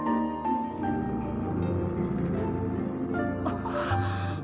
あっ。